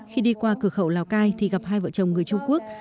khi đi qua cửa khẩu lào cai thì gặp hai vợ chồng người trung quốc